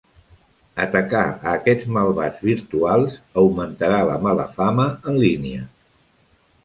Atacar a aquests malvats virtuals augmentarà la mala fama en línia.